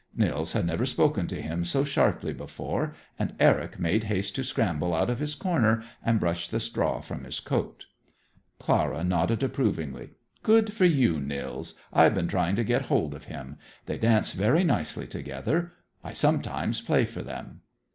Nils had never spoken to him so sharply before, and Eric made haste to scramble out of his corner and brush the straw from his coat. Clara nodded approvingly. "Good for you, Nils. I've been trying to get hold of him. They dance very nicely together; I sometimes play for them."